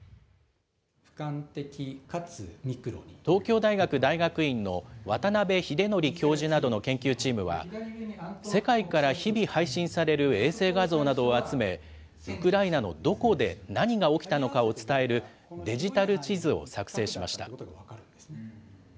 東京大学大学院の渡邉英徳教授などの研究チームは、世界から日々配信される衛星画像などを集め、ウクライナのどこで、何が起きたのかを伝えるデジタル地図を作成しました。